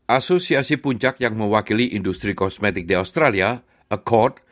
asosiasi puncak yang mewakili industri kosmetik di australia accord